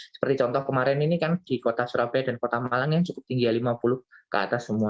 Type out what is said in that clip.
seperti contoh kemarin ini kan di kota surabaya dan kota malang yang cukup tinggi lima puluh ke atas semua